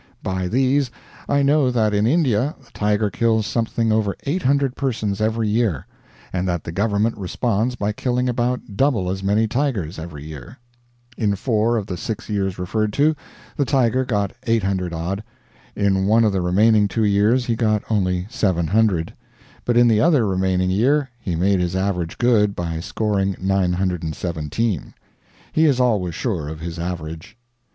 By these, I know that in India the tiger kills something over 800 persons every year, and that the government responds by killing about double as many tigers every year. In four of the six years referred to, the tiger got 800 odd; in one of the remaining two years he got only 700, but in the other remaining year he made his average good by scoring 917. He is always sure of his average.